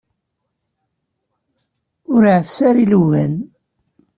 Ur ɛeffes ara ilugan.